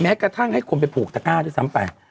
กระทั่งให้คนไปผูกตะก้าด้วยซ้ำไป